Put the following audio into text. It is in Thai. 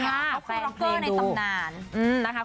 เค้าคือโรงเครื่องในตำนาน